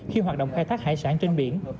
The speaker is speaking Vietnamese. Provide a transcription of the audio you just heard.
khi hoạt động khai thác hải sản trên biển